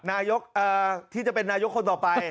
นายกที่จะเป็นนายกคนต่อไป